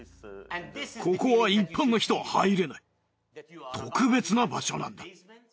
ここは一般の人は入れない特別な場所なんだ。